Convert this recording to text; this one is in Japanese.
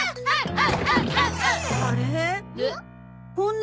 はい。